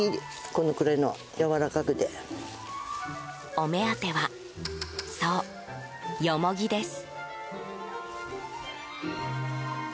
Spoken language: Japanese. お目当てはそう、ヨモギです。